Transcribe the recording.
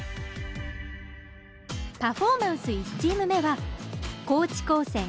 パフォーマンス１チーム目は高知高専Ａチーム。